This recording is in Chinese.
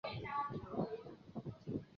湖北大学知行学院等